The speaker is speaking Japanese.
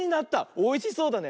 おいしそうだね。